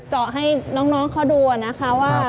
เจาะให้น้องเขาดูนะคะว่า